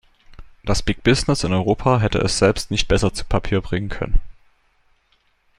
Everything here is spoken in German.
Das Big Business in Europa hätte es selbst nicht besser zu Papier bringen können.